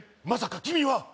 まさか君は？